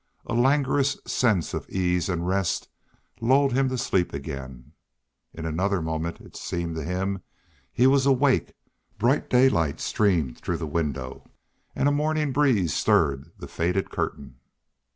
A languorous sense of ease and rest lulled him to sleep again. In another moment, it seemed to him, he was awake; bright daylight streamed through the window, and a morning breeze stirred the faded curtain.